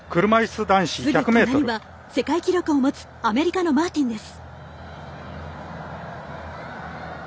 すぐ隣は世界記録を持つアメリカのマーティンです。